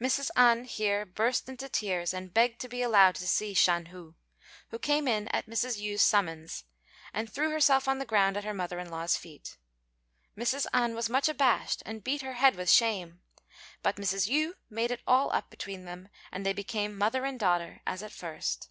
Mrs. An here burst into tears, and begged to be allowed to see Shan hu, who came in at Mrs. Yü's summons, and threw herself on the ground at her mother in law's feet. Mrs. An was much abashed, and beat her head with shame; but Mrs. Yü made it all up between them, and they became mother and daughter as at first.